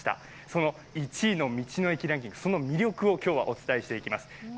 その１位の道の駅ランキング、その魅力をお伝えしていきましょう。